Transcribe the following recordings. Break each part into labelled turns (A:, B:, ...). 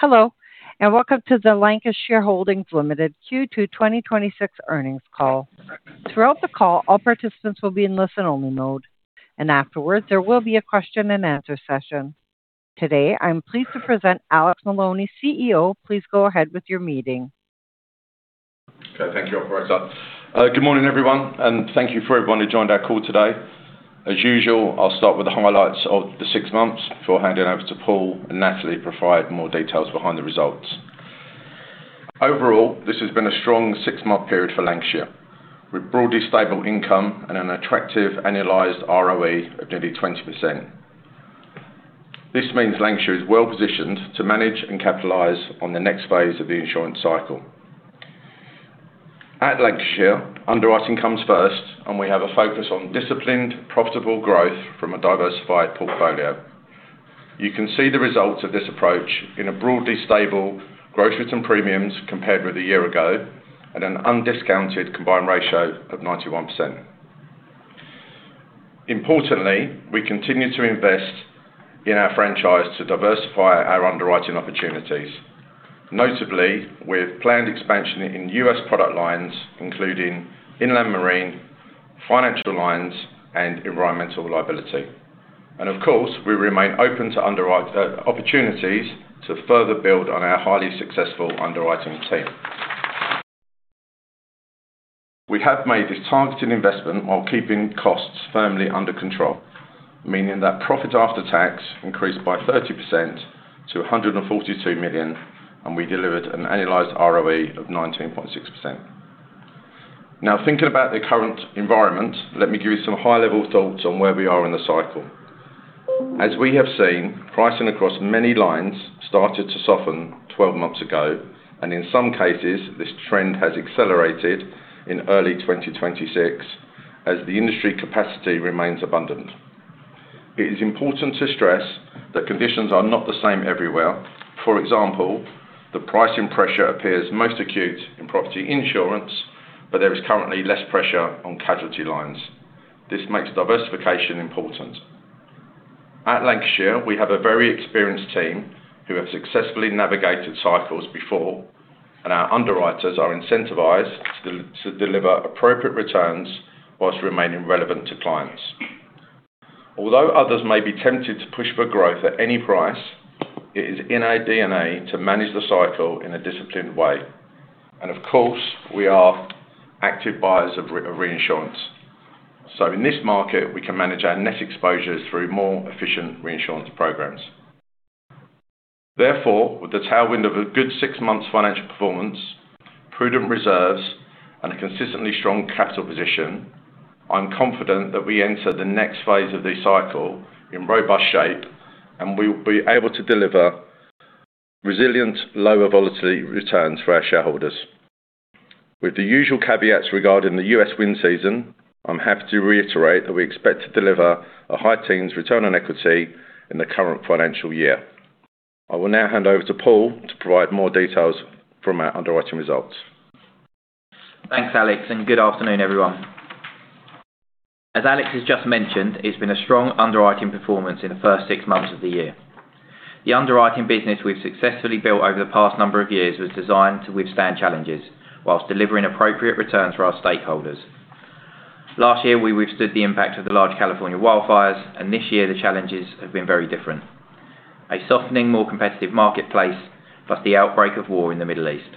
A: Hello, welcome to the Lancashire Holdings Limited Q2 2026 earnings call. Throughout the call, all participants will be in listen-only mode. Afterwards, there will be a question-and-answer session. Today, I am pleased to present Alex Maloney, Chief Executive Officer. Please go ahead with your meeting.
B: Okay. Thank you, operator. Good morning, everyone. Thank you for everyone who joined our call today. As usual, I will start with the highlights of the six months before handing over to Paul and Natalie to provide more details behind the results. Overall, this has been a strong six-month period for Lancashire, with broadly stable income and an attractive annualized ROE of nearly 20%. This means Lancashire is well-positioned to manage and capitalize on the next phase of the insurance cycle. At Lancashire, underwriting comes first. We have a focus on disciplined, profitable growth from a diversified portfolio. You can see the results of this approach in a broadly stable gross written premiums compared with a year ago, and an undiscounted combined ratio of 91%. Importantly, we continue to invest in our franchise to diversify our underwriting opportunities. Notably, with planned expansion in U.S. product lines, including inland marine, financial lines, and environmental liability. Of course, we remain open to opportunities to further build on our highly successful underwriting team. We have made this targeted investment while keeping costs firmly under control, meaning that profit after tax increased by 30% to $142 million. We delivered an annualized ROE of 19.6%. Thinking about the current environment, let me give you some high-level thoughts on where we are in the cycle. As we have seen, pricing across many lines started to soften 12 months ago, and in some cases, this trend has accelerated in early 2026 as the industry capacity remains abundant. It is important to stress that conditions are not the same everywhere. For example, the pricing pressure appears most acute in property insurance, but there is currently less pressure on casualty lines. This makes diversification important. At Lancashire, we have a very experienced team who have successfully navigated cycles before. Our underwriters are incentivized to deliver appropriate returns whilst remaining relevant to clients. Although others may be tempted to push for growth at any price, it is in our DNA to manage the cycle in a disciplined way. Of course, we are active buyers of reinsurance. In this market, we can manage our net exposures through more efficient reinsurance programs. Therefore, with the tailwind of a good six months financial performance, prudent reserves, and a consistently strong capital position, I am confident that we enter the next phase of this cycle in robust shape. We will be able to deliver resilient, lower volatility returns for our shareholders. With the usual caveats regarding the U.S. wind season, I'm happy to reiterate that we expect to deliver a high teens return on equity in the current financial year. I will now hand over to Paul to provide more details from our underwriting results.
C: Thanks, Alex, and good afternoon, everyone. As Alex has just mentioned, it's been a strong underwriting performance in the first six months of the year. The underwriting business we've successfully built over the past number of years was designed to withstand challenges while delivering appropriate returns for our stakeholders. Last year, we withstood the impact of the large California wildfires, and this year the challenges have been very different: a softening, more competitive marketplace, plus the outbreak of war in the Middle East.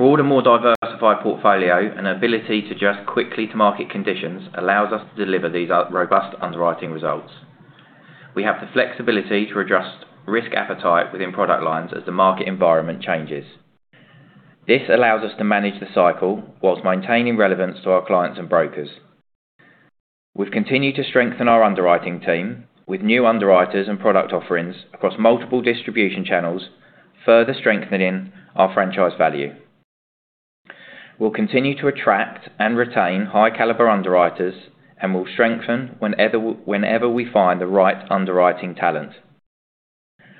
C: A broad and more diversified portfolio and ability to adjust quickly to market conditions allows us to deliver these robust underwriting results. We have the flexibility to adjust risk appetite within product lines as the market environment changes. This allows us to manage the cycle while maintaining relevance to our clients and brokers. We've continued to strengthen our underwriting team with new underwriters and product offerings across multiple distribution channels, further strengthening our franchise value. We'll continue to attract and retain high-caliber underwriters and will strengthen whenever we find the right underwriting talent.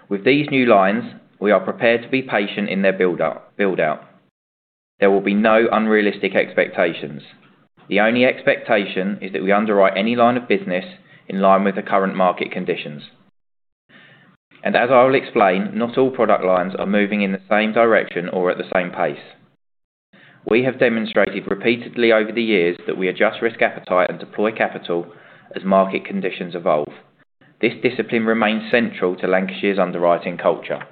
C: With these new lines, we are prepared to be patient in their build-out. There will be no unrealistic expectations. The only expectation is that we underwrite any line of business in line with the current market conditions. As I will explain, not all product lines are moving in the same direction or at the same pace. We have demonstrated repeatedly over the years that we adjust risk appetite and deploy capital as market conditions evolve. This discipline remains central to Lancashire's underwriting culture.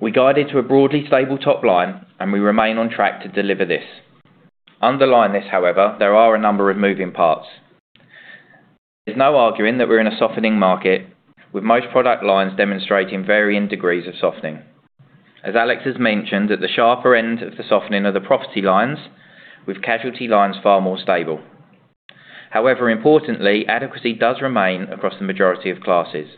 C: We guided to a broadly stable top line, and we remain on track to deliver this. Underlying this, however, there are a number of moving parts. There's no arguing that we're in a softening market with most product lines demonstrating varying degrees of softening. As Alex has mentioned, at the sharper end of the softening are the property lines, with casualty lines far more stable. Importantly, adequacy does remain across the majority of classes.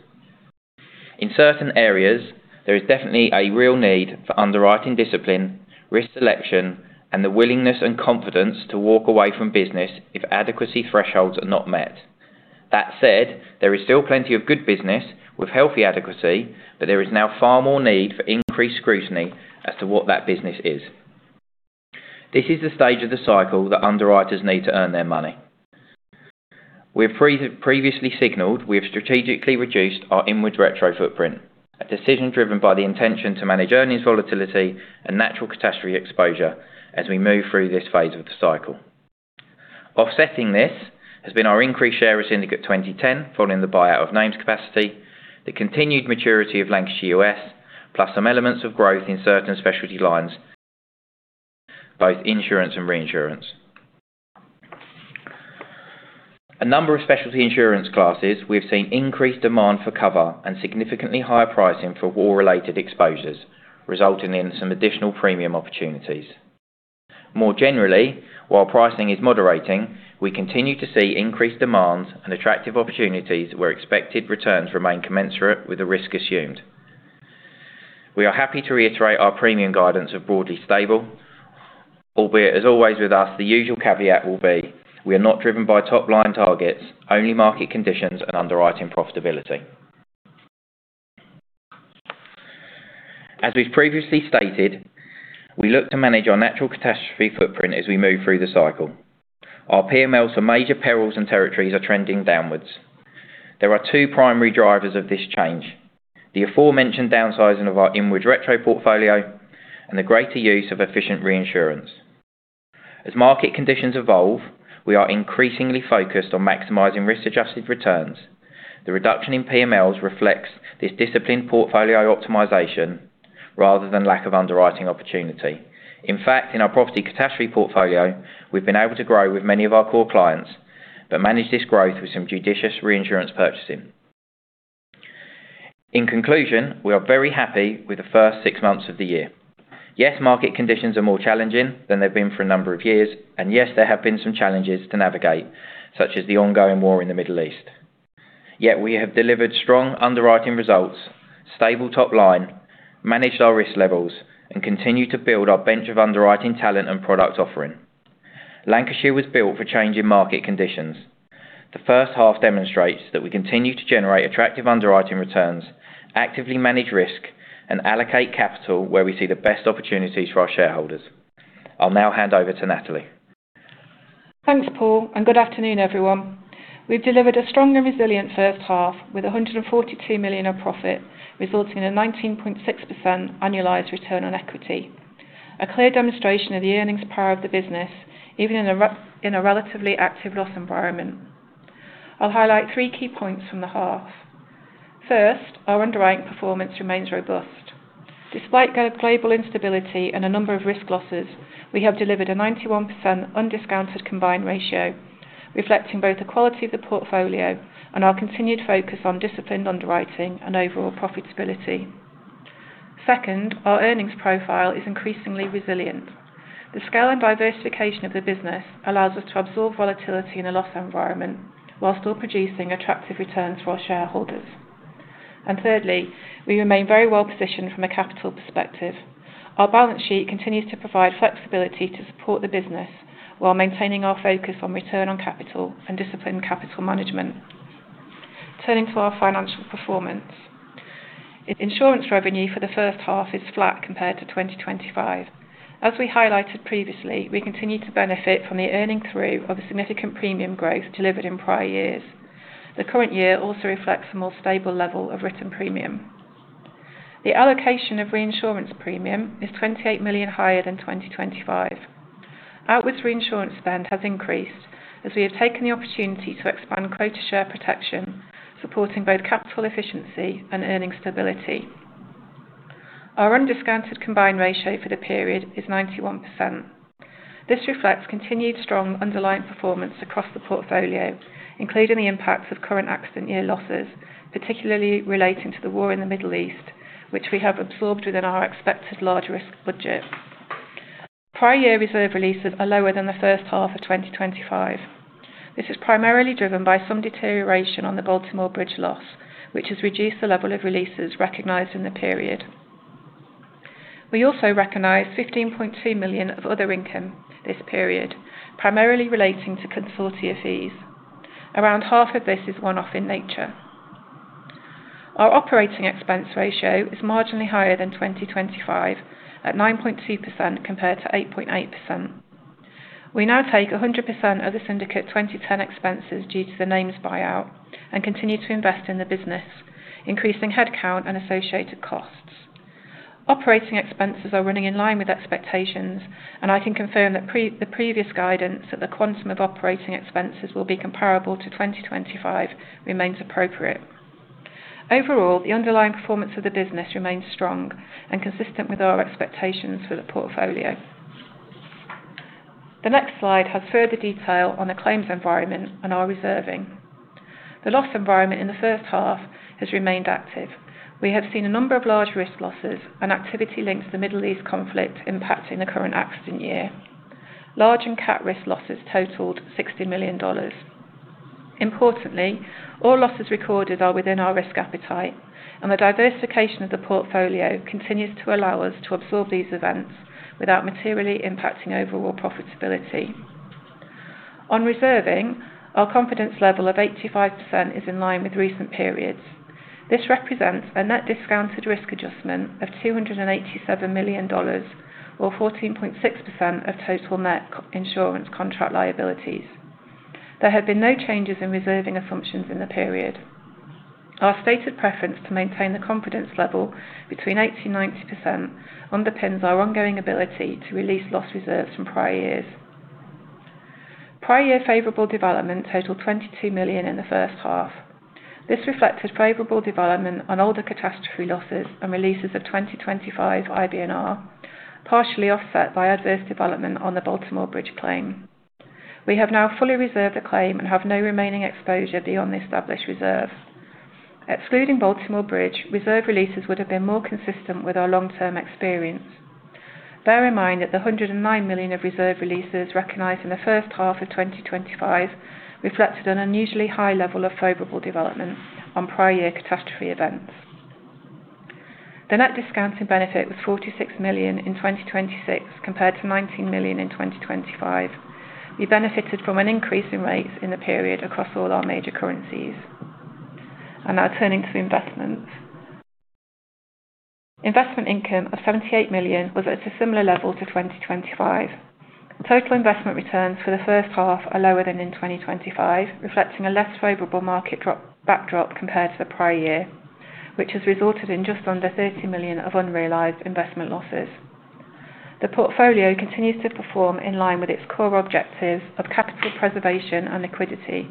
C: In certain areas, there is definitely a real need for underwriting discipline, risk selection, and the willingness and confidence to walk away from business if adequacy thresholds are not met. That said, there is still plenty of good business with healthy adequacy, but there is now far more need for increased scrutiny as to what that business is. This is the stage of the cycle that underwriters need to earn their money. We have previously signaled we have strategically reduced our inward retro footprint. A decision driven by the intention to manage earnings volatility and natural catastrophe exposure as we move through this phase of the cycle. Offsetting this has been our increased share of Syndicate 2010 following the buyout of names capacity, the continued maturity of Lancashire US, plus some elements of growth in certain specialty lines, both insurance and reinsurance. A number of specialty insurance classes we have seen increased demand for cover and significantly higher pricing for war related exposures, resulting in some additional premium opportunities. More generally, while pricing is moderating, we continue to see increased demands and attractive opportunities where expected returns remain commensurate with the risk assumed. We are happy to reiterate our premium guidance of broadly stable, albeit as always with us, the usual caveat will be we are not driven by top line targets, only market conditions and underwriting profitability. We've previously stated, we look to manage our natural catastrophe footprint as we move through the cycle. Our PMLs for major perils and territories are trending downwards. There are two primary drivers of this change. The aforementioned downsizing of our inward retro portfolio and the greater use of efficient reinsurance. As market conditions evolve, we are increasingly focused on maximizing risk adjusted returns. The reduction in PMLs reflects this disciplined portfolio optimization rather than lack of underwriting opportunity. In fact, in our property catastrophe portfolio, we've been able to grow with many of our core clients, but manage this growth with some judicious reinsurance purchasing. In conclusion, we are very happy with the first six months of the year. Yes, market conditions are more challenging than they've been for a number of years. Yes, there have been some challenges to navigate, such as the ongoing war in the Middle East. We have delivered strong underwriting results, stable top line, managed our risk levels, and continue to build our bench of underwriting talent and product offering. Lancashire was built for changing market conditions. The first half demonstrates that we continue to generate attractive underwriting returns, actively manage risk, and allocate capital where we see the best opportunities for our shareholders. I'll now hand over to Natalie.
D: Thanks, Paul. Good afternoon, everyone. We've delivered a strong and resilient first half with $142 million of profit, resulting in a 19.6% annualized return on equity. A clear demonstration of the earnings power of the business, even in a relatively active loss environment. I'll highlight three key points from the half. First, our underwriting performance remains robust. Despite global instability and a number of risk losses, we have delivered a 91% undiscounted combined ratio, reflecting both the quality of the portfolio and our continued focus on disciplined underwriting and overall profitability. Second, our earnings profile is increasingly resilient. The scale and diversification of the business allows us to absorb volatility in a loss environment while still producing attractive returns for our shareholders. Thirdly, we remain very well positioned from a capital perspective. Our balance sheet continues to provide flexibility to support the business while maintaining our focus on return on capital and disciplined capital management. Turning to our financial performance. Insurance revenue for the first half is flat compared to 2025. As we highlighted previously, we continue to benefit from the earning through of a significant premium growth delivered in prior years. The current year also reflects a more stable level of written premium. The allocation of reinsurance premium is $28 million higher than 2025. Outwards reinsurance spend has increased as we have taken the opportunity to expand quota share protection, supporting both capital efficiency and earnings stability. Our undiscounted combined ratio for the period is 91%. This reflects continued strong underlying performance across the portfolio, including the impacts of current accident year losses, particularly relating to the war in the Middle East, which we have absorbed within our expected large risk budget. Prior year reserve releases are lower than the first half of 2025. This is primarily driven by some deterioration on the Baltimore Bridge loss, which has reduced the level of releases recognized in the period. We also recognize $15.2 million of other income this period, primarily relating to consortia fees. Around half of this is one off in nature. Our operating expense ratio is marginally higher than 2025 at 9.2% compared to 8.8%. We now take 100% of the Syndicate 2010 expenses due to the names buyout and continue to invest in the business, increasing head count and associated costs. Operating expenses are running in line with expectations, and I can confirm that the previous guidance that the quantum of operating expenses will be comparable to 2025 remains appropriate. Overall, the underlying performance of the business remains strong and consistent with our expectations for the portfolio. The next slide has further detail on the claims environment and our reserving. The loss environment in the first half has remained active. We have seen a number of large risk losses and activity linked to the Middle East conflict impacting the current accident year. Large and cat risk losses totaled $60 million. Importantly, all losses recorded are within our risk appetite. The diversification of the portfolio continues to allow us to absorb these events without materially impacting overall profitability. On reserving, our confidence level of 85% is in line with recent periods. This represents a net discounted risk adjustment of $287 million or 14.6% of total net insurance contract liabilities. There have been no changes in reserving assumptions in the period. Our stated preference to maintain the confidence level between 80%-90% underpins our ongoing ability to release loss reserves from prior years. Prior year favorable development totaled $22 million in the first half. This reflected favorable development on older catastrophe losses and releases of 2025 IBNR, partially offset by adverse development on the Baltimore Bridge claim. We have now fully reserved the claim and have no remaining exposure beyond the established reserve. Excluding Baltimore Bridge, reserve releases would have been more consistent with our long-term experience. Bear in mind that the $109 million of reserve releases recognized in the first half of 2025 reflected an unusually high level of favorable developments on prior year catastrophe events. The net discounting benefit was $46 million in 2026 compared to $19 million in 2025. We benefited from an increase in rates in the period across all our major currencies. I am now turning to investments. Investment income of $78 million was at a similar level to 2025. Total investment returns for the first half are lower than in 2025, reflecting a less favorable market backdrop compared to the prior year, which has resulted in just under $30 million of unrealized investment losses. The portfolio continues to perform in line with its core objectives of capital preservation and liquidity,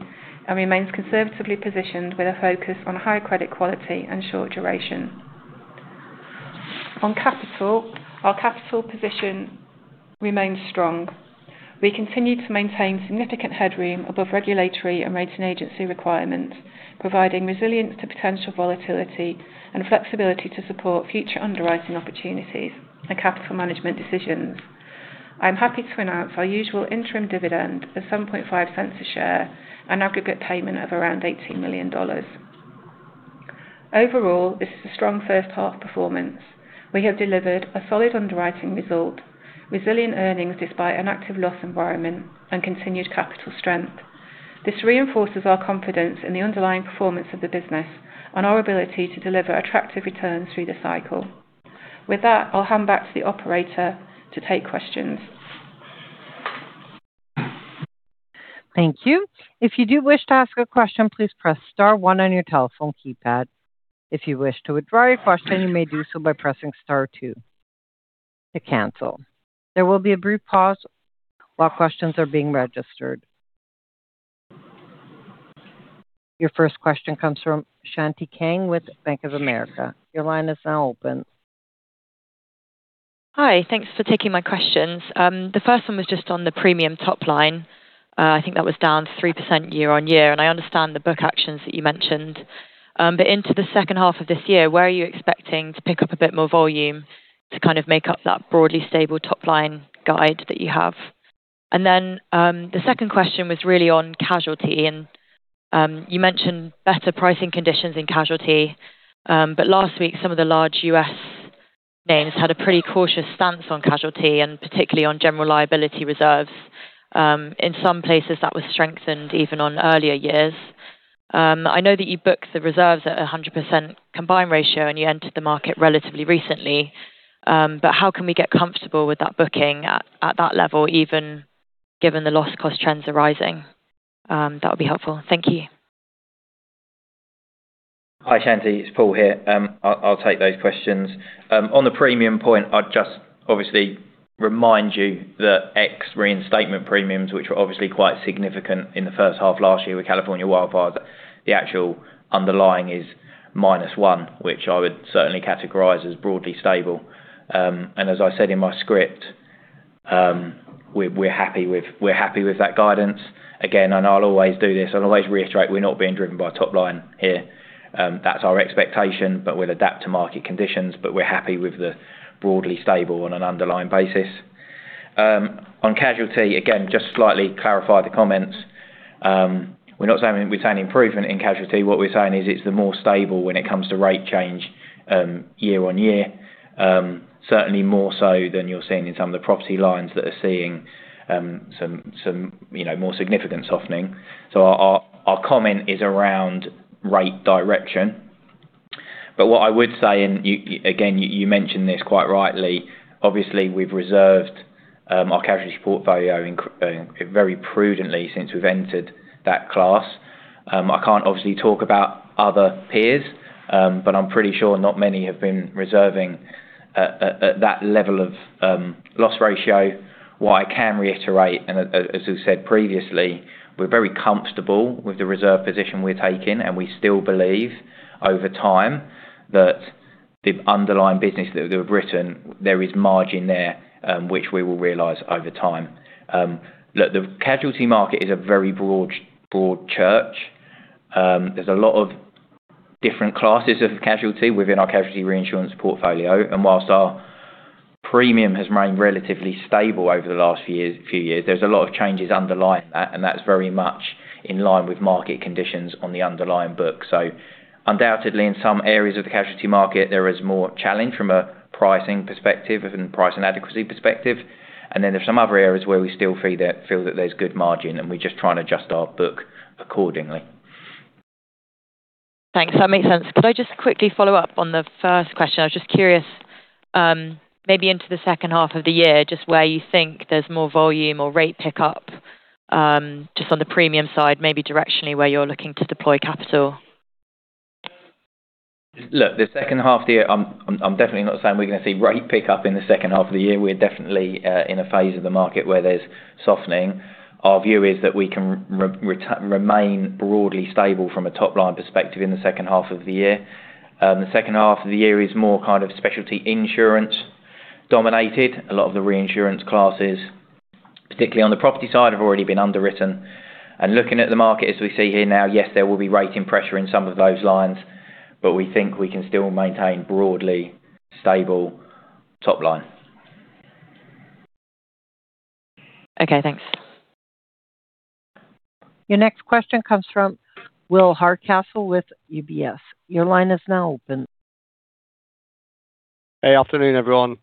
D: and remains conservatively positioned with a focus on high credit quality and short duration. On capital, our capital position remains strong. We continue to maintain significant headroom above regulatory and rating agency requirements, providing resilience to potential volatility and flexibility to support future underwriting opportunities and capital management decisions. I am happy to announce our usual interim dividend of $0.075 a share, an aggregate payment of around $18 million. Overall, this is a strong first half performance. We have delivered a solid underwriting result, resilient earnings despite an active loss environment, and continued capital strength. This reinforces our confidence in the underlying performance of the business and our ability to deliver attractive returns through the cycle. With that, I will hand back to the operator to take questions.
A: Thank you. If you do wish to ask a question, please press star one on your telephone keypad. If you wish to withdraw your question, you may do so by pressing star two to cancel. There will be a brief pause while questions are being registered. Your first question comes from Shanti Kang with Bank of America. Your line is now open.
E: Hi. Thanks for taking my questions. The first one was just on the premium top line. I think that was down 3% year-on-year. I understand the book actions that you mentioned. Into the second half of this year, where are you expecting to pick up a bit more volume to kind of make up that broadly stable top-line guide that you have? The second question was really on casualty. You mentioned better pricing conditions in casualty. Last week, some of the large U.S. names had a pretty cautious stance on casualty and particularly on general liability reserves. In some places that was strengthened even on earlier years. I know that you booked the reserves at 100% combined ratio. You entered the market relatively recently. How can we get comfortable with that booking at that level even given the loss cost trends arising? That would be helpful. Thank you.
C: Hi, Shanti. It's Paul here. I'll take those questions. On the premium point, I'd just obviously remind you that ex reinstatement premiums, which were obviously quite significant in the first half last year with California wildfires, the actual underlying is -1%, which I would certainly categorize as broadly stable. As I said in my script, we're happy with that guidance. Again, I'll always do this, I'll always reiterate we're not being driven by top line here. That's our expectation, but we'll adapt to market conditions. We're happy with the broadly stable on an underlying basis. On casualty, again, just to slightly clarify the comments. We're not saying we're seeing improvement in casualty. What we're saying is it's the more stable when it comes to rate change year-on-year. Certainly, more so than you're seeing in some of the property lines that are seeing some more significant softening. Our comment is around rate direction. What I would say, and again, you mentioned this quite rightly, obviously, we've reserved our casualty portfolio very prudently since we've entered that class. I can't obviously talk about other peers, but I'm pretty sure not many have been reserving at that level of loss ratio. What I can reiterate, as we've said previously, we're very comfortable with the reserve position we're taking, and we still believe over time that the underlying business that we've written, there is margin there, which we will realize over time. Look, the casualty market is a very broad church. There's a lot of different classes of casualty within our casualty reinsurance portfolio. Whilst our premium has remained relatively stable over the last few years. There's a lot of changes underlying that, and that's very much in line with market conditions on the underlying book. Undoubtedly, in some areas of the casualty market, there is more challenge from a pricing perspective and price and adequacy perspective. Then there's some other areas where we still feel that there's good margin, and we're just trying to adjust our book accordingly.
E: Thanks. That makes sense. Could I just quickly follow up on the first question? I was just curious, maybe into the second half of the year, just where you think there's more volume or rate pickup, just on the premium side, maybe directionally where you're looking to deploy capital.
C: Look, the second half of the year, I'm definitely not saying we're going to see rate pickup in the second half of the year. We're definitely in a phase of the market where there's softening. Our view is that we can remain broadly stable from a top-line perspective in the second half of the year. The second half of the year is more specialty insurance dominated. A lot of the reinsurance classes, particularly on the property side, have already been underwritten. Looking at the market as we see here now, yes, there will be rating pressure in some of those lines, but we think we can still maintain broadly stable top line.
E: Okay, thanks.
A: Your next question comes from Will Hardcastle with UBS. Your line is now open.
F: Hey. Afternoon, everyone.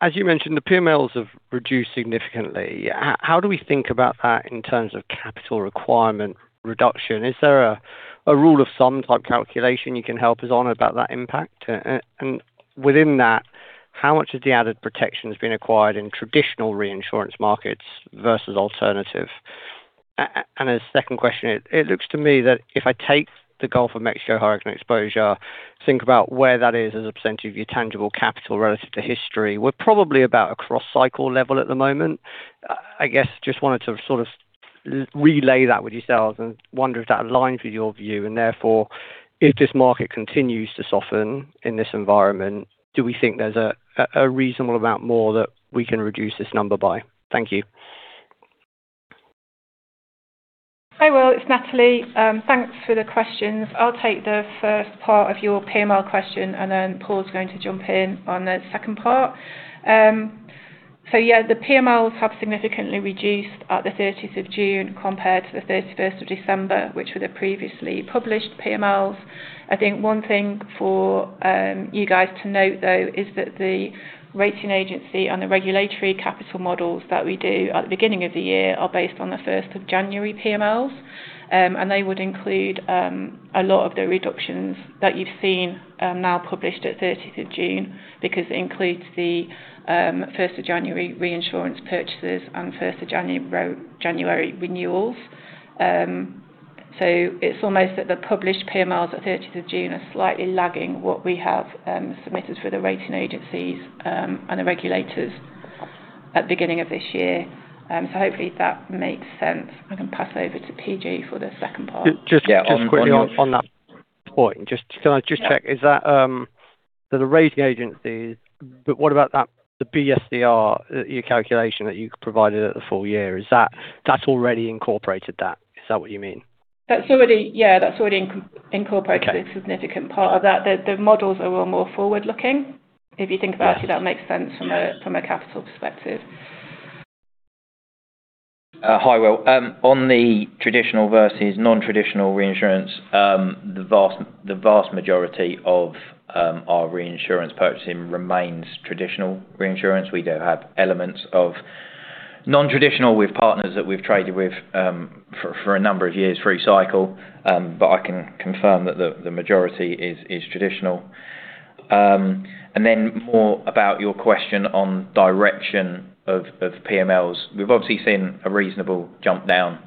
F: As you mentioned, the PMLs have reduced significantly. How do we think about that in terms of capital requirement reduction? Is there a rule of sum type calculation you can help us on about that impact? Within that, how much of the added protection has been acquired in traditional reinsurance markets versus alternative? A second question. It looks to me that if I take the Gulf of Mexico hurricane exposure, think about where that is as a percentage of your tangible capital relative to history. We're probably about a cross-cycle level at the moment. I guess just wanted to sort of relay that with yourselves and wonder if that aligns with your view. Therefore, if this market continues to soften in this environment, do we think there's a reasonable amount more that we can reduce this number by? Thank you.
D: Hi, Will. It's Natalie. Thanks for the questions. I'll take the first part of your PML question, and then Paul's going to jump in on the second part. Yeah, the PMLs have significantly reduced at the June 30th compared to the December 31st, which were the previously published PMLs. I think one thing for you guys to note, though, is that the rating agency on the regulatory capital models that we do at the beginning of the year are based on the January 1st PMLs, and they would include a lot of the reductions that you've seen now published at June 30th because it includes the 1st of January reinsurance purchases and January 1st renewals. It's almost that the published PMLs at June 30th are slightly lagging what we have submitted for the rating agencies and the regulators at beginning of this year. Hopefully that makes sense. I can pass over to PG for the second part.
F: Just quickly on that point. Can I just check, is that the rating agencies, but what about the BSCR, your calculation that you provided at the full year. That's already incorporated that. Is that what you mean?
D: Yeah, that's already incorporated. A significant part of that. The models are more forward-looking. If you think about it that makes sense from a capital perspective.
C: Hi, Will. On the traditional versus non-traditional reinsurance, the vast majority of our reinsurance purchasing remains traditional reinsurance. We do have elements of non-traditional with partners that we've traded with for a number of years through cycle, but I can confirm that the majority is traditional. More about your question on direction of PMLs. We've obviously seen a reasonable jump down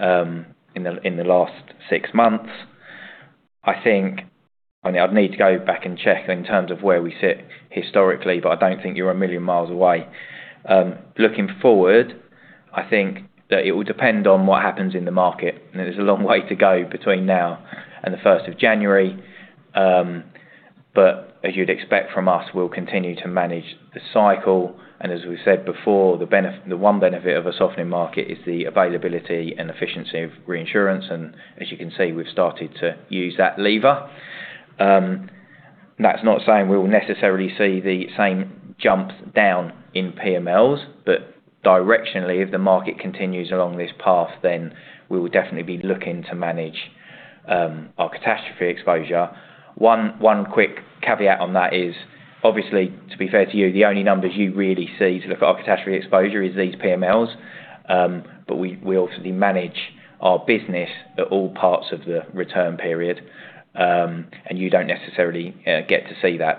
C: in the last six months. I'd need to go back and check in terms of where we sit historically, but I don't think you're 1 mi away. Looking forward, I think that it will depend on what happens in the market. There's a long way to go between now and the January 1st. As you'd expect from us, we'll continue to manage the cycle. As we said before, the one benefit of a softening market is the availability and efficiency of reinsurance. As you can see, we've started to use that lever. That's not saying we will necessarily see the same jump down in PMLs, but directionally, if the market continues along this path, then we will definitely be looking to manage our catastrophe exposure. One quick caveat on that is obviously, to be fair to you, the only numbers you really see to look at our catastrophe exposure is these PMLs. But we obviously manage our business at all parts of the return period, and you don't necessarily get to see that.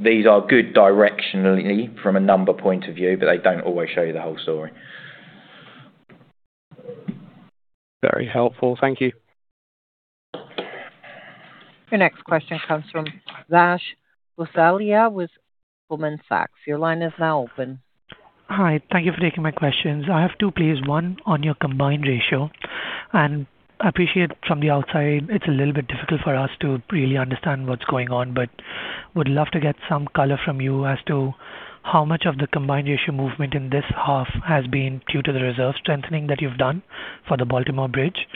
C: These are good directionally from a number point of view, but they don't always show you the whole story.
F: Very helpful. Thank you.
A: Your next question comes from Vash Gosalia with Goldman Sachs. Your line is now open.
G: Hi. Thank you for taking my questions. I have two, please. One on your combined ratio. I appreciate from the outside, it's a little bit difficult for us to really understand what's going on, but would love to get some color from you as to how much of the combined ratio movement in this half has been due to the reserve strengthening that you've done for the Baltimore Bridge.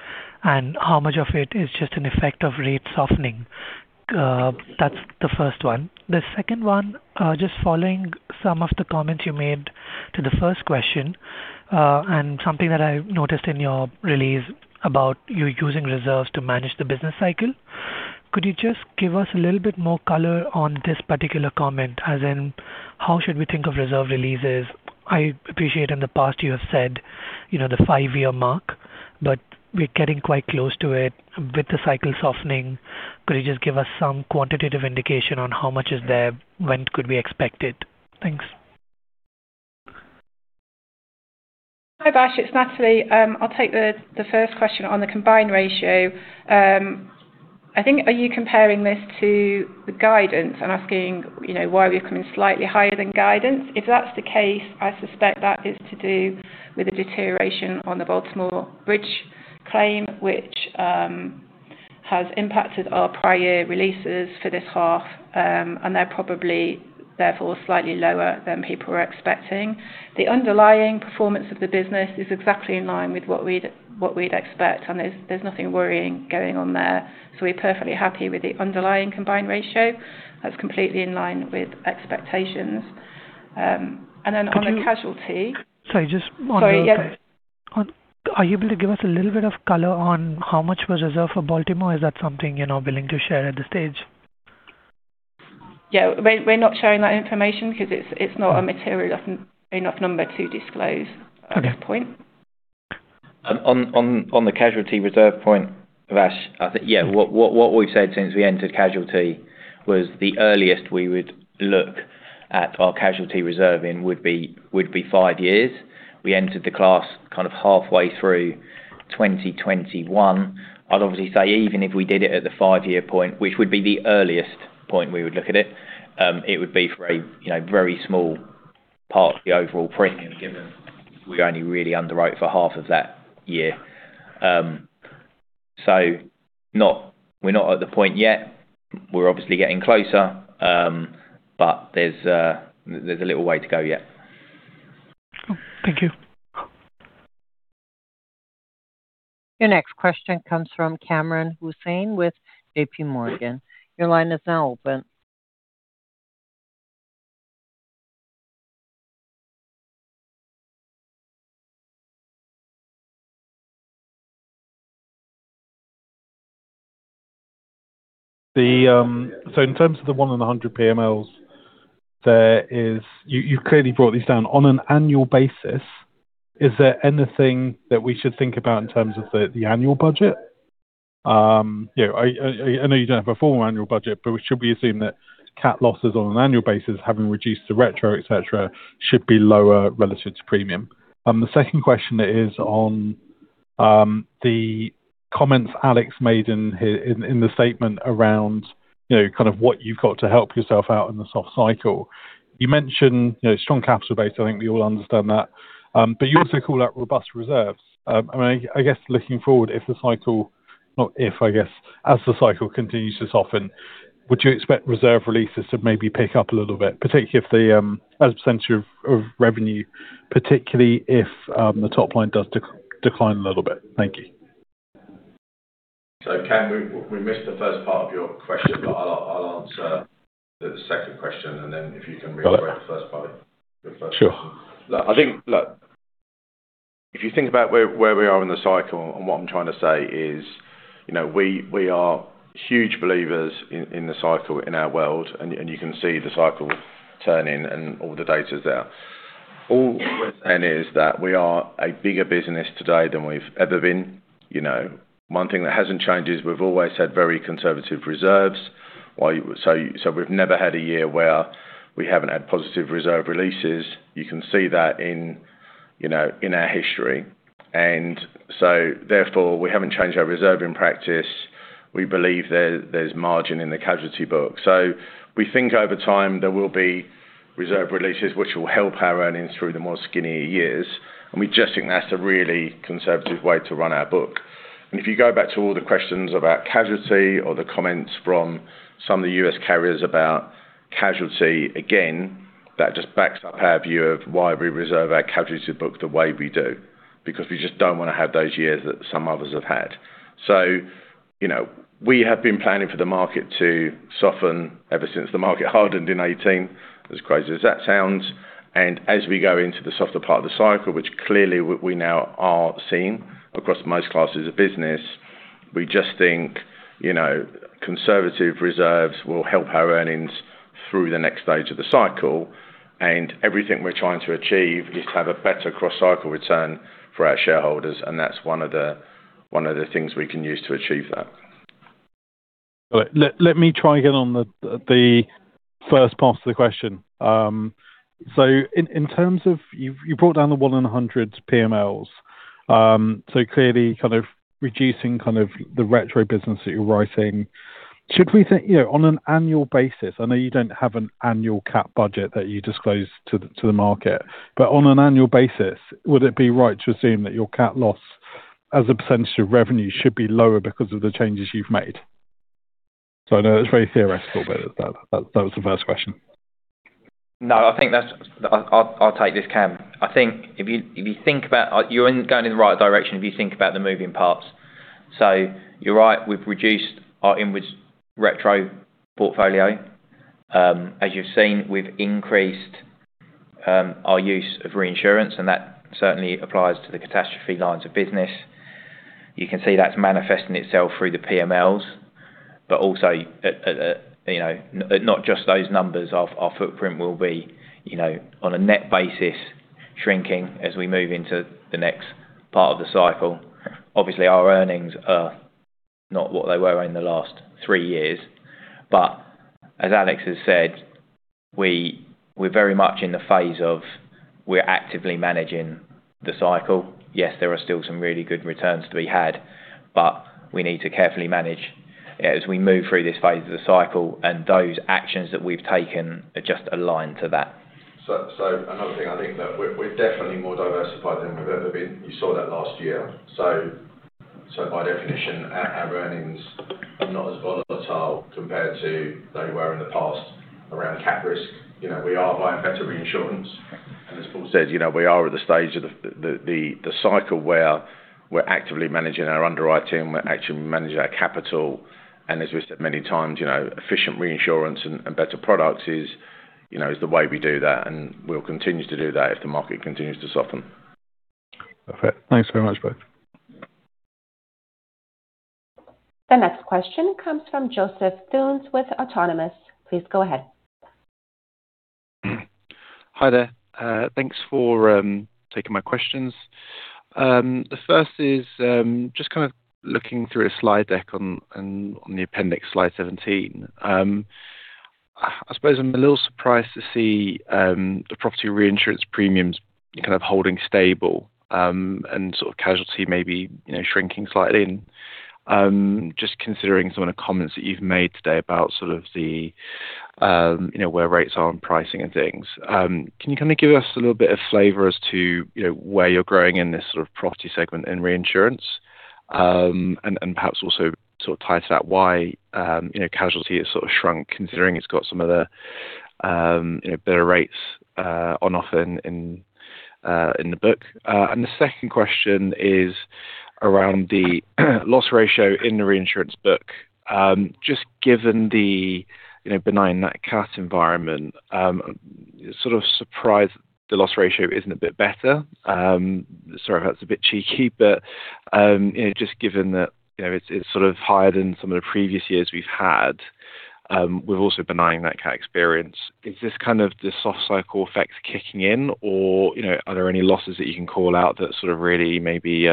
G: How much of it is just an effect of rate softening? That's the first one. The second one, just following some of the comments you made to the first question, and something that I noticed in your release about you using reserves to manage the business cycle. Could you just give us a little bit more color on this particular comment? As in, how should we think of reserve releases? I appreciate in the past you have said the five-year mark, we're getting quite close to it with the cycle softening. Could you just give us some quantitative indication on how much is there? When could we expect it? Thanks.
D: Hi, Vash. It's Natalie. I'll take the first question on the combined ratio. I think are you comparing this to the guidance and asking why we're coming slightly higher than guidance? If that's the case, I suspect that is to do with a deterioration on the Baltimore Bridge claim, which has impacted our prior year releases for this half. They're probably therefore slightly lower than people were expecting. The underlying performance of the business is exactly in line with what we'd expect, there's nothing worrying going on there. We're perfectly happy with the underlying combined ratio. That's completely in line with expectations. Then on the casualty-
G: Sorry, just on the-
D: Sorry, yes.
G: Are you able to give us a little bit of color on how much was reserved for Baltimore? Is that something you're not willing to share at this stage?
D: Yeah. We're not sharing that information because it's not a material enough number to disclose at this point.
B: Okay. On the casualty reserve point, Vash, I think, yeah. What we've said since we entered casualty was the earliest we would look at our casualty reserving would be five years. We entered the class kind of halfway through 2021. I'd obviously say even if we did it at the five-year point, which would be the earliest point we would look at it would be for a very small part of the overall premium given we only really underwrite for half of that year. We're not at the point yet. We're obviously getting closer. There's a little way to go yet.
G: Cool. Thank you.
A: Your next question comes from Kamran Hossain with JPMorgan. Your line is now open.
H: In terms of the one in 100 PMLs, you've clearly brought these down. On an annual basis, is there anything that we should think about in terms of the annual budget? I know you don't have a formal annual budget, but should we assume that cat losses on an annual basis having reduced to retrocession, et cetera, should be lower relative to premium? The second question is on the comments Alex made in the statement around kind of what you've got to help yourself out in the soft cycle. You mentioned strong capital base. I think we all understand that. You also call out robust reserves. I guess looking forward, if the cycle The cycle continues to soften, would you expect reserve releases to maybe pick up a little bit, as a % of revenue, particularly if the top line does decline a little bit? Thank you.
B: Cam, we missed the first part of your question, I'll answer the second question, then if you can rephrase the first part of your first question.
H: Sure.
B: Look, if you think about where we are in the cycle, what I'm trying to say is we are huge believers in the cycle in our world, you can see the cycle turning and all the data's there. All we're saying is that we are a bigger business today than we've ever been. One thing that hasn't changed is we've always had very conservative reserves. We've never had a year where we haven't had positive reserve releases. You can see that in our history. Therefore, we haven't changed our reserving practice. We believe there's margin in the casualty book. We think over time there will be reserve releases which will help our earnings through the more skinnier years. We just think that's a really conservative way to run our book. If you go back to all the questions about casualty or the comments from some of the U.S. carriers about casualty, again, that just backs up our view of why we reserve our casualty book the way we do. Because we just don't want to have those years that some others have had. We have been planning for the market to soften ever since the market hardened in 2018, as crazy as that sounds. As we go into the softer part of the cycle, which clearly we now are seeing across most classes of business, we just think conservative reserves will help our earnings through the next stage of the cycle. Everything we're trying to achieve is to have a better cross-cycle return for our shareholders, that's one of the things we can use to achieve that.
H: Let me try again on the first part of the question. You brought down the one in 100 PMLs. Clearly kind of reducing the retrocession business that you're writing. On an annual basis, I know you don't have an annual cat budget that you disclose to the market. On an annual basis, would it be right to assume that your cat loss as a percent of revenue should be lower because of the changes you've made? I know it's very theoretical, but that was the first question.
C: No, I'll take this, Kamran. I think you're going in the right direction if you think about the moving parts. You're right, we've reduced our inwards retrocession portfolio. As you've seen, we've increased our use of reinsurance, that certainly applies to the catastrophe lines of business. You can see that's manifesting itself through the PMLs, but also not just those numbers. Our footprint will be on a net basis shrinking as we move into the next part of the cycle. Obviously, our earnings are not what they were in the last three years. As Alex has said, we're very much in the phase of we're actively managing the cycle. Yes, there are still some really good returns to be had. We need to carefully manage as we move through this phase of the cycle, those actions that we've taken are just aligned to that.
B: Another thing, I think that we're definitely more diversified than we've ever been. You saw that last year. By definition, our earnings are not as volatile compared to they were in the past around cat risk. We are buying better reinsurance. As Paul said, we are at the stage of the cycle where we're actively managing our underwriting, we're actively managing our capital. As we've said many times, efficient reinsurance and better products is the way we do that, and we'll continue to do that if the market continues to soften.
H: Perfect. Thanks very much, both.
A: The next question comes from Joseph Theuns with Autonomous Research. Please go ahead.
I: Hi there. Thanks for taking my questions. The first is just kind of looking through a slide deck on the appendix, slide 17. I suppose I'm a little surprised to see the property reinsurance premiums kind of holding stable, and sort of casualty maybe shrinking slightly. Just considering some of the comments that you've made today about sort of where rates are on pricing and things. Can you kind of give us a little bit of flavor as to where you're growing in this sort of property segment in reinsurance? Perhaps also sort of tie to that why casualty has sort of shrunk, considering it's got some of the better rates on offer in the book. The second question is around the loss ratio in the reinsurance book. Just given the benign net cat environment, sort of surprised the loss ratio isn't a bit better. Sorry if that's a bit cheeky, just given that it's sort of higher than some of the previous years we've had, with also benign net cat experience. Is this kind of the soft cycle effect kicking in or are there any losses that you can call out that sort of really maybe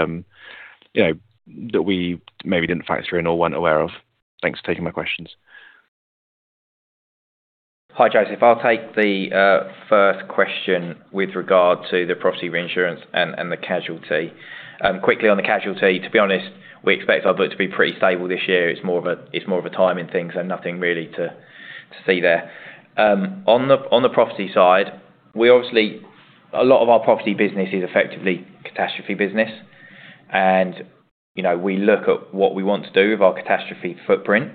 I: that we maybe didn't factor in or weren't aware of? Thanks for taking my questions.
C: Hi, Joseph. I'll take the first question with regard to the property reinsurance and the casualty. Quickly on the casualty, to be honest, we expect our book to be pretty stable this year. It's more of a timing things and nothing really to see there. On the property side, obviously a lot of our property business is effectively catastrophe business. We look at what we want to do with our catastrophe footprint.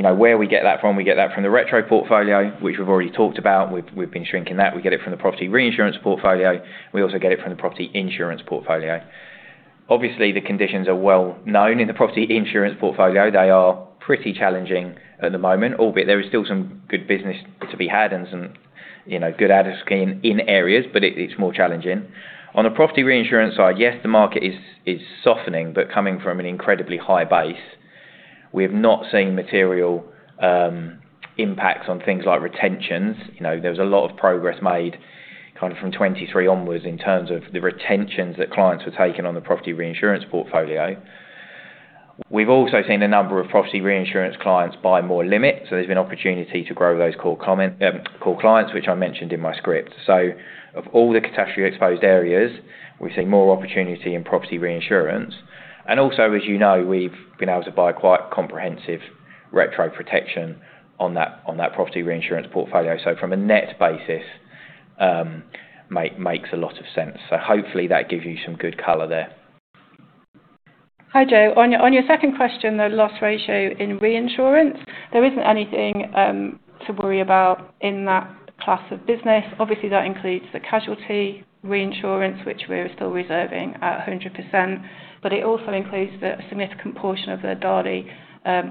C: Where we get that from, we get that from the retrocession portfolio, which we've already talked about, and we've been shrinking that. We get it from the property reinsurance portfolio. We also get it from the property insurance portfolio. Obviously, the conditions are well known in the property insurance portfolio. They are pretty challenging at the moment, albeit there is still some good business to be had and some good out of scheme in areas, but it's more challenging. On the property reinsurance side, yes, the market is softening, but coming from an incredibly high base. We have not seen material impacts on things like retentions. There was a lot of progress made kind of from 2023 onwards in terms of the retentions that clients were taking on the property reinsurance portfolio. We've also seen a number of property reinsurance clients buy more limits. There's been opportunity to grow those core clients, which I mentioned in my script. Of all the catastrophe exposed areas, we've seen more opportunity in property reinsurance. Also, as you know, we've been able to buy quite comprehensive retrocession protection on that property reinsurance portfolio. From a net basis, makes a lot of sense. Hopefully that gives you some good color there.
D: Hi, Joe. On your second question, the loss ratio in reinsurance, there isn't anything to worry about in that class of business. Obviously, that includes the casualty reinsurance, which we're still reserving at 100%, but it also includes the significant portion of the Dali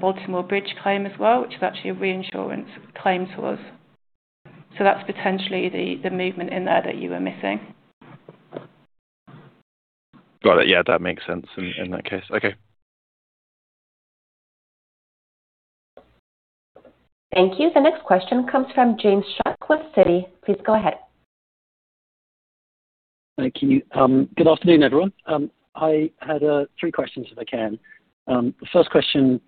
D: Baltimore bridge claim as well, which is actually a reinsurance claim to us. That's potentially the movement in there that you were missing.
I: Got it. Yeah, that makes sense in that case. Okay.
A: Thank you. The next question comes from James Shuck, Citi. Please go ahead.
J: Thank you. Good afternoon, everyone. I had three questions if I can. The first question,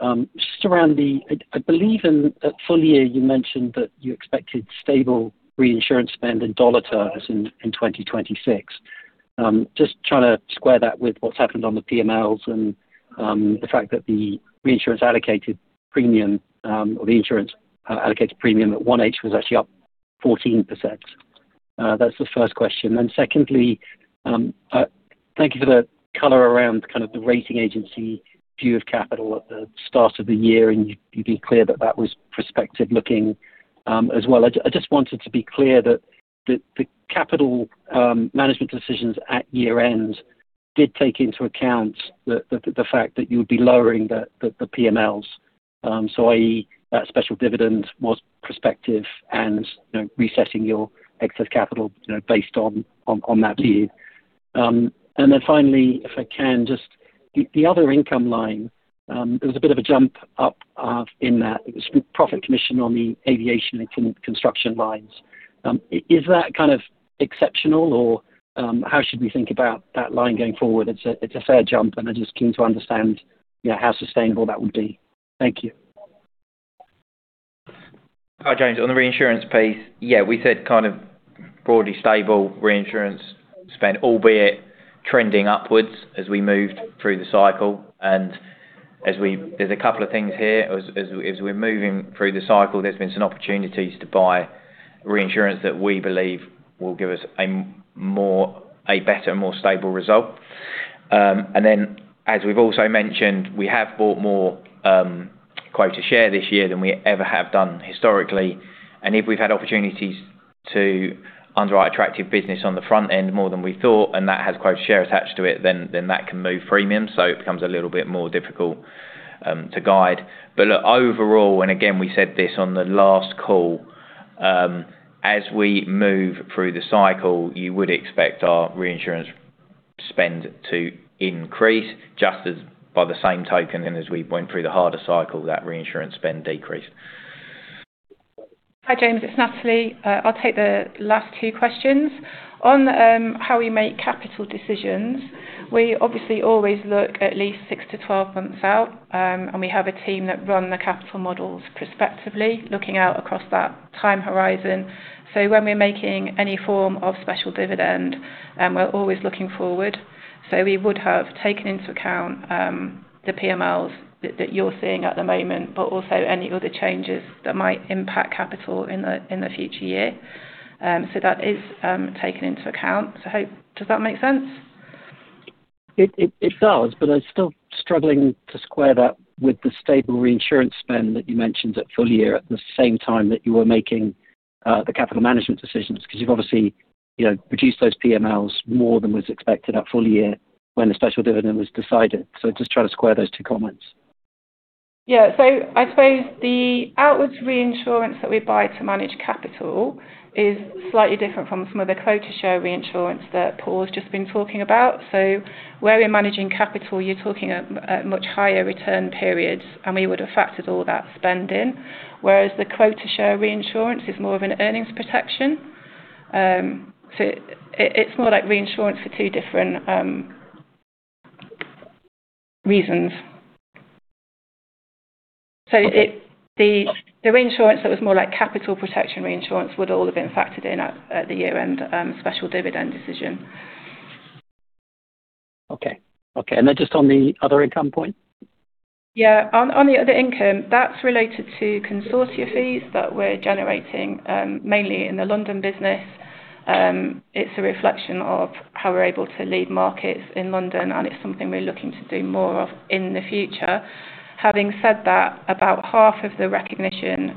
J: just around the, I believe in at full year you mentioned that you expected stable reinsurance spend in dollar terms in 2026. Just trying to square that with what's happened on the PMLs and the fact that the reinsurance allocated premium or the insurance allocated premium at 1H was actually up 14%. That's the first question. Secondly, thank you for the color around kind of the rating agency view of capital at the start of the year, and you've been clear that that was prospective looking as well. I just wanted to be clear that the capital management decisions at year-end did take into account the fact that you would be lowering the PMLs. I.e., that special dividend was prospective and resetting your excess capital based on that view. Finally, if I can, just the other income line, there was a bit of a jump up in that. It was profit commission on the aviation and construction lines. Is that kind of exceptional or how should we think about that line going forward? It's a fair jump, and I'm just keen to understand how sustainable that would be. Thank you.
C: Hi, James. On the reinsurance piece, yeah, we said kind of broadly stable reinsurance spend, albeit trending upwards as we moved through the cycle. There's a couple of things here. As we're moving through the cycle, there's been some opportunities to buy reinsurance that we believe will give us a better, more stable result. Then as we've also mentioned, we have bought more quota share this year than we ever have done historically. If we've had opportunities to underwrite attractive business on the front end more than we thought, and that has quota share attached to it, then that can move premiums, so it becomes a little bit more difficult to guide. Look, overall, and again, we said this on the last call, as we move through the cycle, you would expect our reinsurance spend to increase just as by the same token, and as we went through the harder cycle, that reinsurance spend decreased.
D: Hi, James. It's Natalie. I'll take the last two questions. On how we make capital decisions, we obviously always look at least six to 12 months out, and we have a team that run the capital models perspectively looking out across that time horizon. When we are making any form of special dividend, we're always looking forward. We would have taken into account the PMLs that you're seeing at the moment, but also any other changes that might impact capital in the future year. That is taken into account. I hope, does that make sense?
J: It does, I'm still struggling to square that with the stable reinsurance spend that you mentioned at full year at the same time that you were making the capital management decisions because you've obviously reduced those PMLs more than was expected at full year when the special dividend was decided. Just trying to square those two comments.
D: Yeah. I suppose the outwards reinsurance that we buy to manage capital is slightly different from some of the quota share reinsurance that Paul's just been talking about. Where we are managing capital, you're talking at much higher return periods, and we would have factored all that spend in. Whereas the quota share reinsurance is more of an earnings protection. It's more like reinsurance for two different reasons. The reinsurance that was more like capital protection reinsurance would all have been factored in at the year-end special dividend decision.
J: Okay. Just on the other income point.
D: Yeah. On the other income, that's related to consortia fees that we're generating mainly in the London business. It's a reflection of how we're able to lead markets in London, and it's something we are looking to do more of in the future. Having said that, about half of the recognition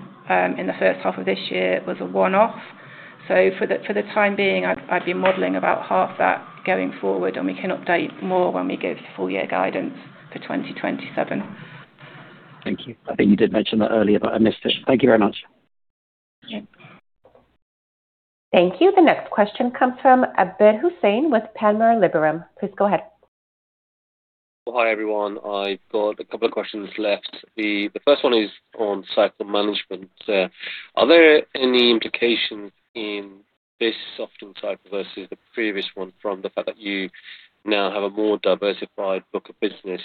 D: in the first half of this year was a one-off. For the time being, I'd be modeling about half that going forward, and we can update more when we give full year guidance for 2027.
J: Thank you. I think you did mention that earlier, but I missed it. Thank you very much.
D: Yeah.
A: Thank you. The next question comes from Abid Hussain with Panmure Liberum. Please go ahead.
K: Hi, everyone. I've got a couple of questions left. The first one is on cycle management. Are there any implications in this soften cycle versus the previous one from the fact that you now have a more diversified book of business?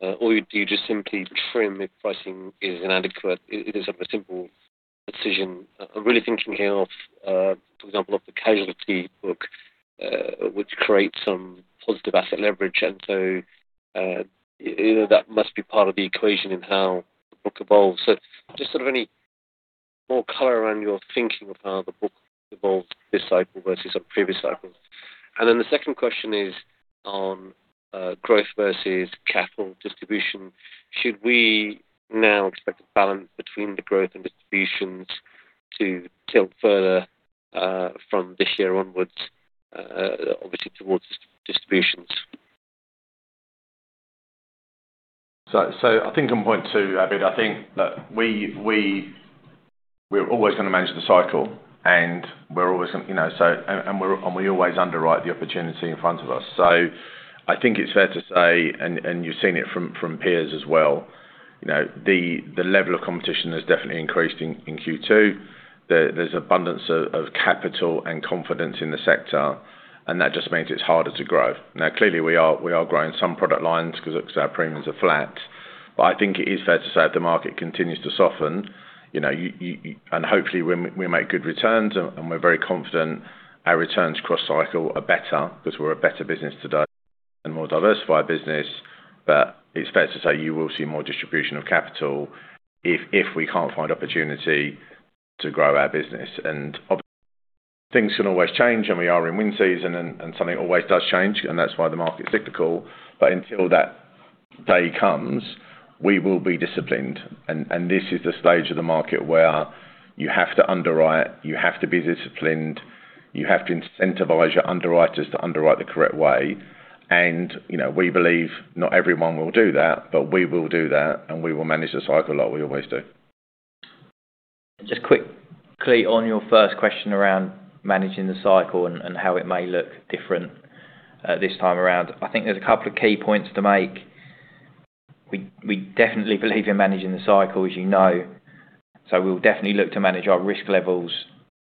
K: Do you just simply trim if pricing is inadequate? It is a simple decision. I'm really thinking here of, for example, of the casualty book, which creates some positive asset leverage. That must be part of the equation in how the book evolves. Just sort of any more color around your thinking of how the book evolved this cycle versus on previous cycles. The second question is on growth versus capital distribution. Should we now expect a balance between the growth and distributions to tilt further, from this year onwards, obviously towards distributions?
C: I think on point two, Abid, I think that we're always going to manage the cycle, and we always underwrite the opportunity in front of us. I think it's fair to say, and you've seen it from peers as well, the level of competition has definitely increased in Q2. There's abundance of capital and confidence in the sector, and that just means it's harder to grow. Now, clearly, we are growing some product lines because our premiums are flat. I think it is fair to say if the market continues to soften, and hopefully we make good returns, and we're very confident our returns cross cycle are better because we're a better business today
B: More diversified business, it's fair to say you will see more distribution of capital if we can't find opportunity to grow our business. Obviously things can always change, we are in wind season and something always does change, and that's why the market's cyclical. Until that day comes, we will be disciplined. This is the stage of the market where you have to underwrite, you have to be disciplined, you have to incentivize your underwriters to underwrite the correct way. We believe not everyone will do that, but we will do that, and we will manage the cycle like we always do.
C: Just quickly on your first question around managing the cycle and how it may look different this time around. I think there's a couple of key points to make. We definitely believe in managing the cycle, as you know, so we'll definitely look to manage our risk levels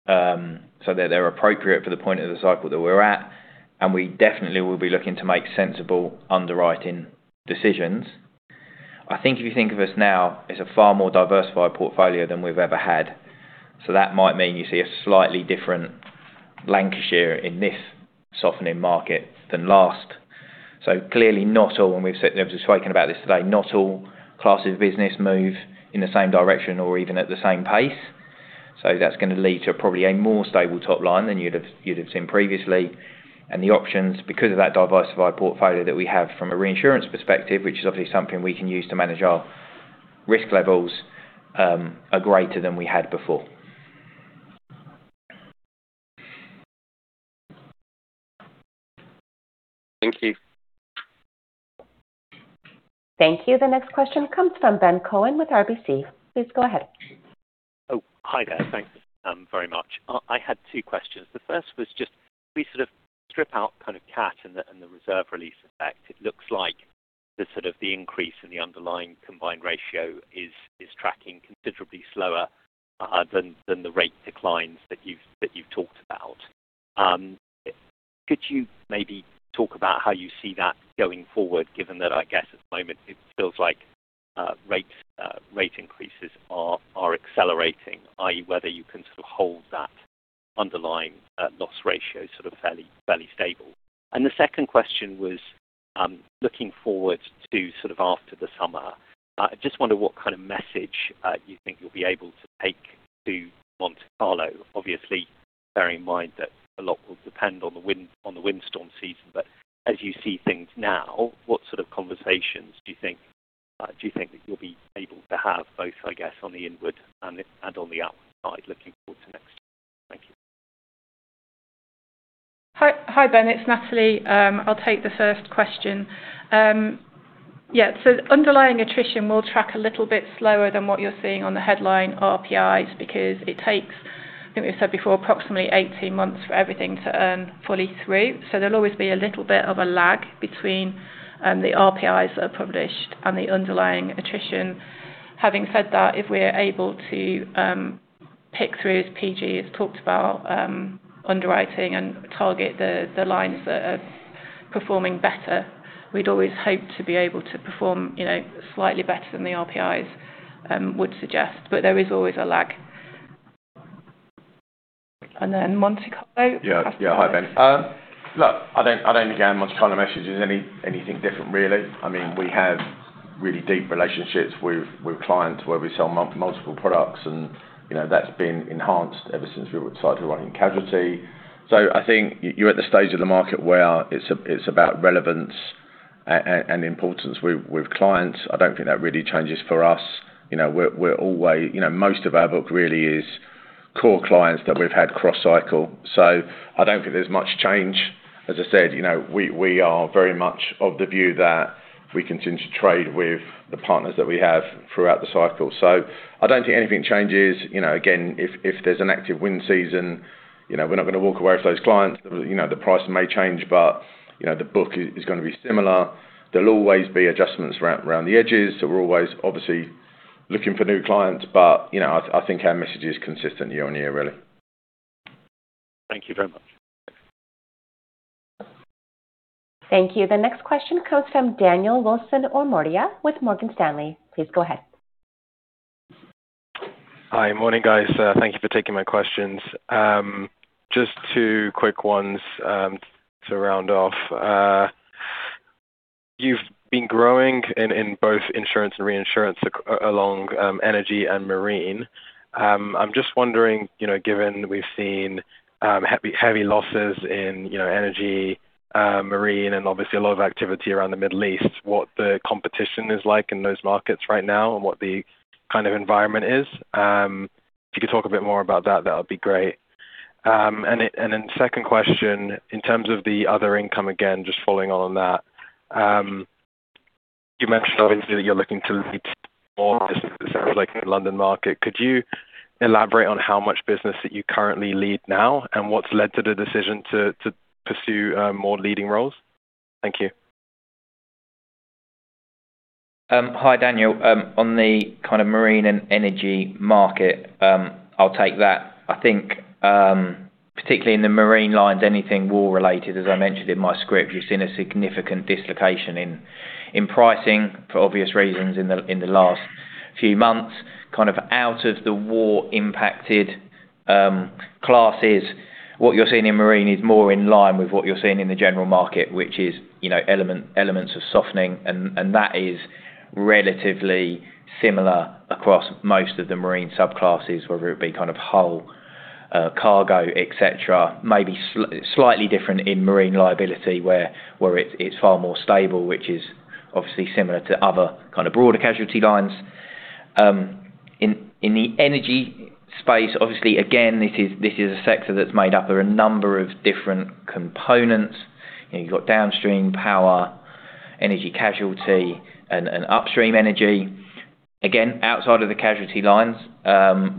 C: so that they're appropriate for the point of the cycle that we're at. We definitely will be looking to make sensible underwriting decisions. I think if you think of us now as a far more diversified portfolio than we've ever had. That might mean you see a slightly different Lancashire in this softening market than last. Clearly not all, and we've spoken about this today, not all classes of business move in the same direction or even at the same pace. That's going to lead to probably a more stable top line than you'd have seen previously. The options because of that diversified portfolio that we have from a reinsurance perspective, which is obviously something we can use to manage our risk levels, are greater than we had before.
B: Thank you.
A: Thank you. The next question comes from Ben Cohen with RBC Capital Markets. Please go ahead.
L: Hi there. Thanks very much. I had two questions. The first was just we sort of strip out kind of CAT and the reserve release effect. It looks like the sort of the increase in the underlying combined ratio is tracking considerably slower than the rate declines that you've talked about. Could you maybe talk about how you see that going forward, given that, I guess at the moment it feels like rate increases are accelerating, i.e., whether you can sort of hold that underlying loss ratio sort of fairly stable. The second question was looking forward to sort of after the summer. I just wonder what kind of message you think you'll be able to take to Monte Carlo. Obviously, bearing in mind that a lot will depend on the windstorm season, as you see things now, what sort of conversations do you think that you'll be able to have both, I guess, on the inward and on the outward side looking forward to next year? Thank you.
D: Yeah, Hi, Ben. It's Natalie. I'll take the first question. Yeah, underlying attrition will track a little bit slower than what you're seeing on the headline RPIs because it takes, I think we've said before, approximately 18 months for everything to earn fully through. There'll always be a little bit of a lag between the RPIs that are published and the underlying attrition. Having said that, if we're able to pick through, as PG has talked about, underwriting and target the lines that are performing better, we'd always hope to be able to perform slightly better than the RPIs would suggest. There is always a lag. Monte Carlo.
B: Yeah. Hi, Ben. Look, I don't think our Monte Carlo message is anything different really. I mean, we have really deep relationships with clients where we sell multiple products and that's been enhanced ever since we started running casualty. I think you're at the stage of the market where it's about relevance and importance with clients. I don't think that really changes for us. Most of our book really is core clients that we've had cross cycle, I don't think there's much change. As I said, we are very much of the view that we continue to trade with the partners that we have throughout the cycle. I don't think anything changes. Again, if there's an active wind season, we're not going to walk away from those clients. The pricing may change, but the book is going to be similar. There'll always be adjustments around the edges. We're always obviously looking for new clients. I think our message is consistent year on-year really.
L: Thank you very much.
A: Thank you. The next question comes from Daniel Wilson-Omordia with Morgan Stanley. Please go ahead.
M: Hi. Morning, guys. Thank you for taking my questions. Just two quick ones to round off. You've been growing in both insurance and reinsurance along energy and marine. I'm just wondering, given we've seen heavy losses in energy, marine, and obviously a lot of activity around the Middle East, what the competition is like in those markets right now and what the kind of environment is. If you could talk a bit more about that would be great. Second question, in terms of the other income, again, just following on that. You mentioned obviously that you're looking to lead more business, it sounds like in the London market. Could you elaborate on how much business that you currently lead now and what's led to the decision to pursue more leading roles? Thank you.
C: Hi, Daniel. On the kind of marine and energy market, I'll take that. I think, particularly in the marine lines, anything war related, as I mentioned in my script, you've seen a significant dislocation in pricing for obvious reasons in the last few months. Kind of out of the war impacted Classes. What you're seeing in marine is more in line with what you're seeing in the general market, which is elements of softening, and that is relatively similar across most of the marine subclasses, whether it be hull, cargo, et cetera. Maybe slightly different in marine liability, where it's far more stable, which is obviously similar to other broader casualty lines. In the energy space, obviously, again, this is a sector that's made up of a number of different components. You've got downstream power, energy casualty, and upstream energy. Again, outside of the casualty lines,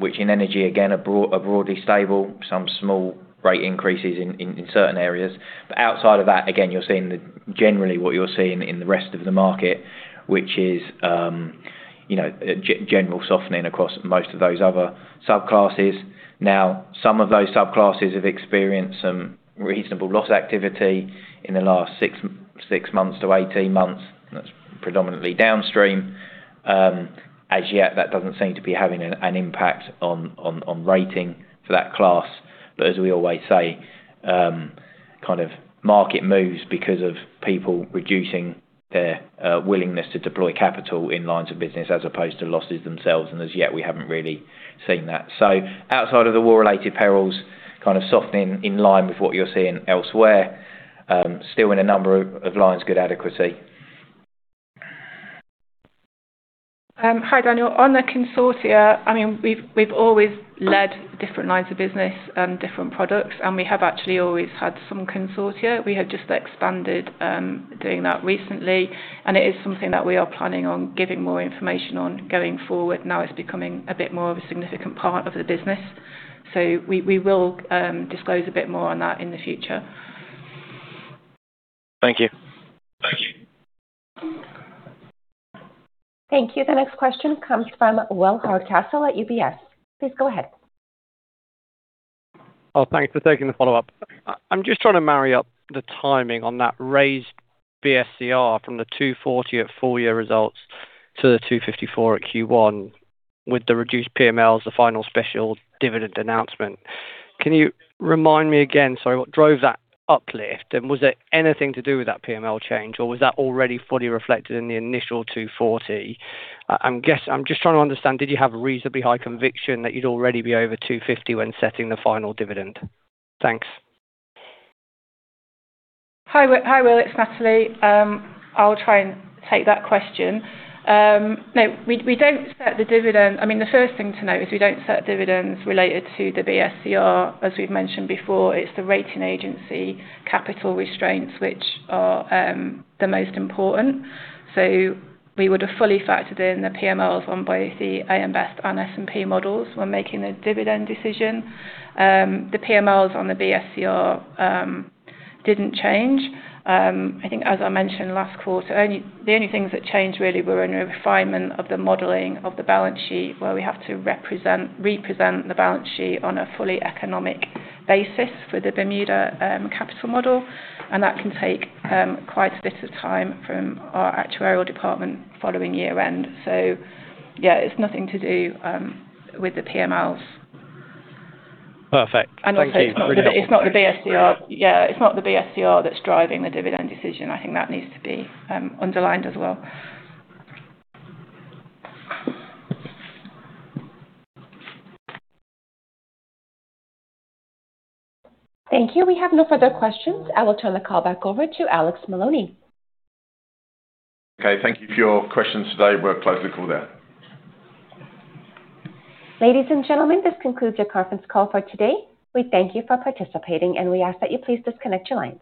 C: which in energy, again, are broadly stable, some small rate increases in certain areas. Outside of that, again, you're seeing generally what you're seeing in the rest of the market, which is general softening across most of those other subclasses. Some of those subclasses have experienced some reasonable loss activity in the last six months to 18 months, and that's predominantly downstream. As yet, that doesn't seem to be having an impact on rating for that class. As we always say, market moves because of people reducing their willingness to deploy capital in lines of business as opposed to losses themselves. As yet, we haven't really seen that. Outside of the war related perils, softening in line with what you're seeing elsewhere. Still in a number of lines, good adequacy.
D: Hi, Daniel. On the consortia, we've always led different lines of business, different products, and we have actually always had some consortia. We have just expanded doing that recently, and it is something that we are planning on giving more information on going forward. It's becoming a bit more of a significant part of the business. We will disclose a bit more on that in the future.
M: Thank you.
B: Thank you.
A: Thank you. The next question comes from Will Hardcastle at UBS. Please go ahead.
F: Oh, thanks for taking the follow-up. I'm just trying to marry up the timing on that raised BSCR from the 240% at full year results to the 254% at Q1 with the reduced PMLs, the final special dividend announcement. Can you remind me again, sorry, what drove that uplift? Was it anything to do with that PML change, or was that already fully reflected in the initial 240%? I'm just trying to understand, did you have reasonably high conviction that you'd already be over 250% when setting the final dividend? Thanks.
D: Hi, Will. It's Natalie. I'll try and take that question. No, we don't set the dividend. The first thing to note is we don't set dividends related to the BSCR. As we've mentioned before, it's the rating agency capital restraints which are the most important. We would have fully factored in the PMLs on both the A.M. Best and S&P models when making the dividend decision. The PMLs on the BSCR didn't change. I think as I mentioned last quarter, the only things that changed really were in a refinement of the modeling of the balance sheet, where we have to represent the balance sheet on a fully economic basis for the Bermuda capital model, and that can take quite a bit of time from our actuarial department following year end. It's nothing to do with the PMLs.
F: Perfect. Thank you.
D: Also, it's not the BSCR that's driving the dividend decision. I think that needs to be underlined as well.
A: Thank you. We have no further questions. I will turn the call back over to Alex Maloney.
B: Okay. Thank you for your questions today. We're closely called out.
A: Ladies and gentlemen, this concludes your conference call for today. We thank you for participating, and we ask that you please disconnect your lines.